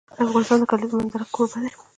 افغانستان د د کلیزو منظره کوربه دی.